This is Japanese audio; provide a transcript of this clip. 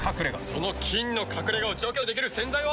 その菌の隠れ家を除去できる洗剤は。